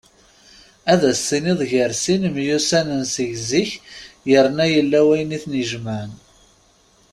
Ad as-tiniḍ gar sin myussanen seg zik yerna yella wayen iten-ijemɛen.